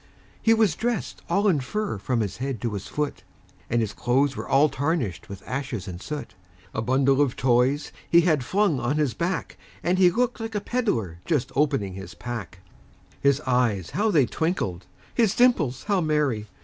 He was dressed all in fur from his head to his foot, And his clothes were all tarnished with ashes and soot; A bundle of toys he had flung on his back, And he looked like a peddler just opening his pack; His eyes how they twinkled! his dimples how merry!